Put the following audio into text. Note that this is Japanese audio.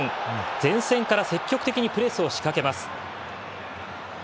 前線から積極的にプレスを仕掛けます。